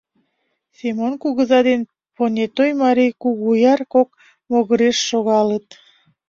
Семон кугыза ден понетей марий Кугуяр кок могыреш шогалыт.